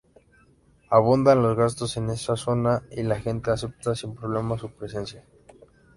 Abundan los gatos en esa zona y la gente acepta sin problemas su presencia.